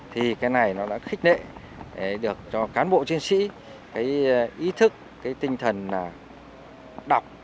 thì cái này nó đã khích nệ được cho cán bộ chiến sĩ ý thức tinh thần đọc